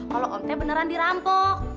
kalau om teh beneran dirampok